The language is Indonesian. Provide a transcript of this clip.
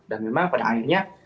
dan memang pada akhirnya